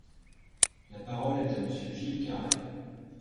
La parole est à Monsieur Gilles Carrez.